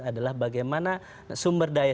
adalah bagaimana sumber daya